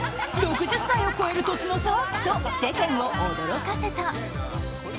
６０歳を超える年の差と世間を驚かせた。